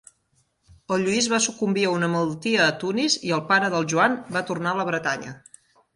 El Lluís va sucumbir a una malaltia a Tunis i el pare del Joan va tornar a la Bretanya.